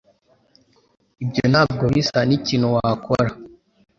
Ibyo ntabwo bisa nkikintu wakora.